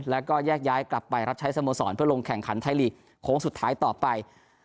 แล้วก็แยกย้ายกลับไปรับใช้สโมสรเพื่อลงแข่งขันไทยลีกโค้งสุดท้ายต่อไป